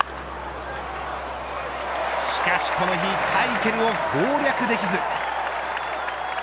しかしこの日カイケルを攻略できず。